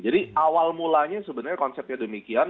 jadi awal mulanya sebenarnya konsepnya demikian